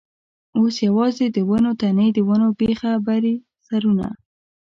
اوس یوازې د ونو تنې، د ونو بېخه برې سرونه.